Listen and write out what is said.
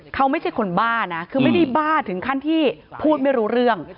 เขาไม่ใช่คนบ้านะคือไม่ได้บ้าถึงขั้นที่พูดไม่รู้เรื่อง